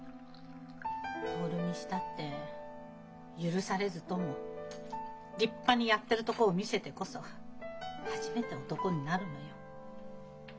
徹にしたって許されずとも立派にやっているところを見せてこそ初めて男になるのよ。